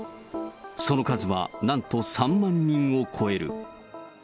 その数はなんと３万人を超える。